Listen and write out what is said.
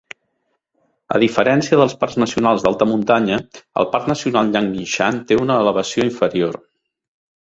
A diferència dels parcs nacionals d'alta muntanya, el Parc Nacional Yangmingshan té una elevació inferior.